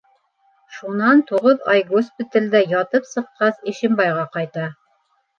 Шунан туғыҙ ай госпиталдә ятып сыҡҡас, Ишембайға ҡайта.